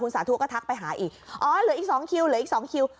สาธุก็ทักไปหาอีกอ๋อเหลืออีก๒คิวเหลืออีก๒คิว